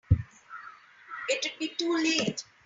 It'd be too late.